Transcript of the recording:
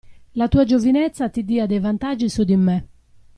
La tua giovinezza ti dia dei vantaggi su di me.